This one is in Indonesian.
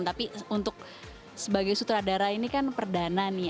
tapi untuk sebagai sutradara ini kan perdana nih